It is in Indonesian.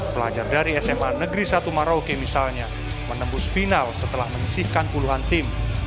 pelajar dari sma negeri satu marauke misalnya menembus final setelah menyisihkan puluhan tim